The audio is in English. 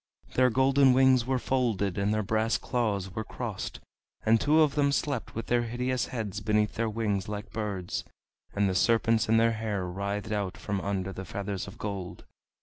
Their golden wings were folded and their brass claws were crossed, and two of them slept with their hideous heads beneath their wings like birds, and the serpents in their hair writhed out from under the feathers of gold.